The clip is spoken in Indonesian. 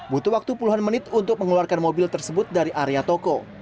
butuh waktu puluhan menit untuk mengeluarkan mobil tersebut dari area toko